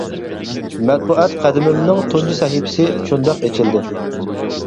مەتبۇئات قەدىمىمنىڭ تۇنجى سەھىپىسى شۇنداق ئېچىلدى.